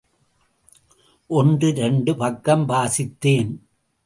ஒன்றிரண்டு பக்கம் வாசித்தேன்.